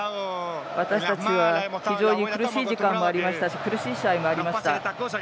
私たちは非常に苦しい時間もありましたし苦しい試合もありました。